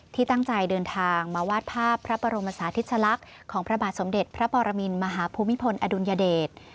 ที่ตั้งใจเดินทางมาวาดภาพพระบรมศาธิสลักษณ์ของพระบาทสมเด็จพระปรมินมหาภูมิพลอดุลยเดช